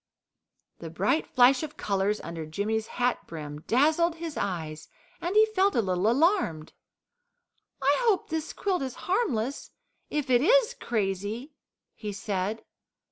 The bright flash of colours under Jimmy's hat brim dazzled his eyes, and he felt a little alarmed. "I hope this quilt is harmless if it IS crazy," he said.